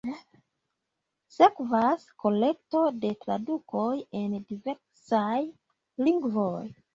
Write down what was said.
Sekvas kolekto de tradukoj en diversaj lingvoj.